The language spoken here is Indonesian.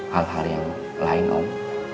hal hal yang lain om